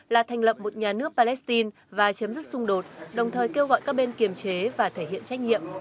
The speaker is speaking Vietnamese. là thành lập một nhà nước palestine và chấm dứt xung đột đồng thời kêu gọi các bên kiềm chế và thể hiện trách nhiệm